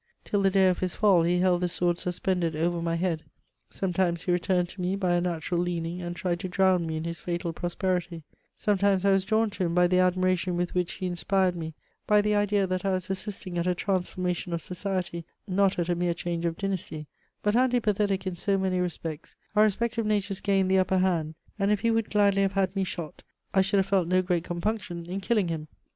Till the day of his fall, he held the sword suspended over my head: sometimes he returned to me by a natural leaning and tried to drown me in his fatal prosperity; sometimes I was drawn to him by the admiration with which he inspired me, by the idea that I was assisting at a transformation of society, not at a mere change of dynasty: but antipathetic in so many respects, our respective natures gained the upper hand, and if he would gladly have had me shot, I should have felt no great compunction in killing him.